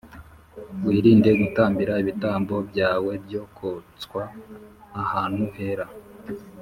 Wirinde gutambira ibitambo byawe byo koswa ahantu hera.